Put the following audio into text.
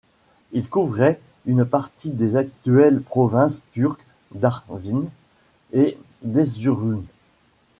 Il couvrait une partie des actuelles provinces turques d'Artvin et d'Erzurum.